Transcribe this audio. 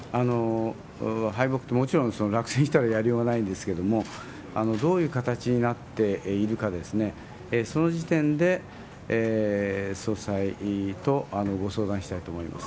敗北、もちろん、落選したらやりようがないんですけれども、どういう形になっているかですね、その時点で総裁とご相談したいと思います。